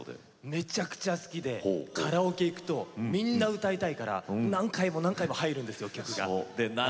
めちゃくちゃ好きでカラオケに行くとみんな歌いたいから何回も何回も入るんですよ。